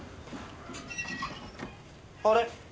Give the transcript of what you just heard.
あれ？